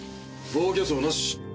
防御創なし。